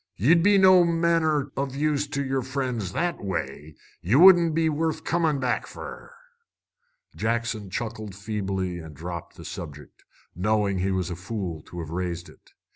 Ye'd be no manner o' use to yer friends that way. Ye wouldn't be worth comin' back fer." Jackson chuckled feebly and dropped the subject, knowing he was a fool to have raised it.